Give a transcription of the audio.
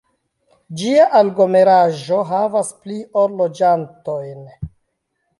Ĝia aglomeraĵo havas pli ol loĝantojn.